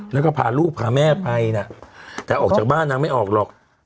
แล้วก็พาลูกพาแม่ไปนะแต่ออกจากบ้านนางไม่ออกหรอก